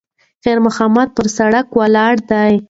خیر محمد پر سړک ولاړ دی.